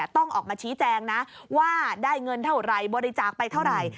ต้องออกมาชี้แจงนะว่าได้เงินเท่าไหร่บริจาคไปเท่าไหร่